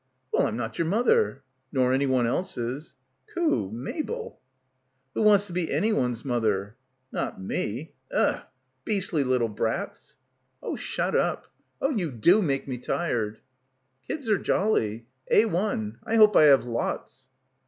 "Well — I'm not your mother." "Nor anyone else's." "Khoo, Mabel." "Who wants to be anyone's mother?" "Not me. Ug. Beastly little brats." — 120 — BACKWATER "Oh shut up. Oh you do make me tired. "Kids are jolly. A l . I hope I have lots.